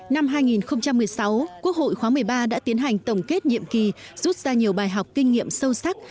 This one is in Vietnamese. năm hai nghìn một mươi sáu quốc hội khóa một mươi ba đã tiến hành tổng kết nhiệm kỳ rút ra nhiều bài học kinh nghiệm sâu sắc